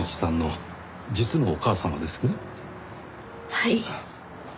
はい。